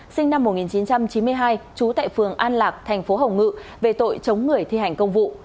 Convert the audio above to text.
sinh năm một nghìn chín trăm chín mươi hai trú tại phường an lạc tp hcm về tội chống người thi hành công vụ